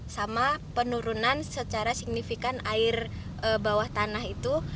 sama penurunan secara signifikan air bawah tanah itu